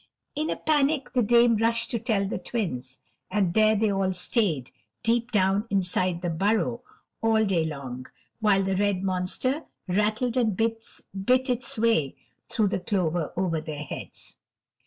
In a panic the Dame rushed to tell the Twins, and there they all stayed, deep down inside the burrow all day long, while the red monster rattled and bit its way through the clover over their heads.